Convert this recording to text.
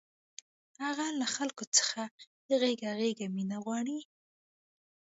هغه له خلکو څخه غېږه غېږه مینه غواړي